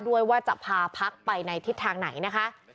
ด้วยว่าจะพาพักไปในทิศทางไหนนะคะ